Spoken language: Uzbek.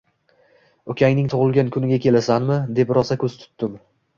Ukangning tug‘ilgan kuniga kelasanmi, deb rosa ko‘z tutdim